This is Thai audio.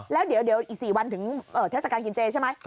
แล้วเดี๋ยวอีก๔วันถึงเทศกาลกินเจใช่ไหม